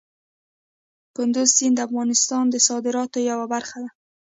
کندز سیند د افغانستان د صادراتو یوه برخه ده.